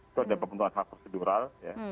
itu ada pembentukan hak prosedural